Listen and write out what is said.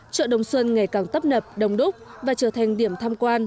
chợ đồng xuân ngày càng tấp nập đông đúc và trở thành điểm tham quan